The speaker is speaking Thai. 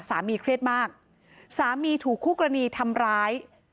เครียดมากสามีถูกคู่กรณีทำร้าย